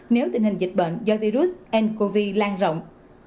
nếu tình hình dịch bệnh do virus ncov lan rộng